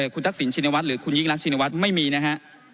คุณทักษิณชินวัฒนหรือคุณยิ่งรักชินวัฒน์ไม่มีนะฮะ